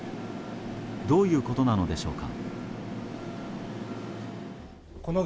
どういうことなのでしょうか。